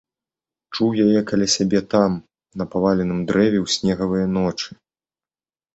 Чуў яе каля сябе там, на паваленым дрэве ў снегавыя ночы.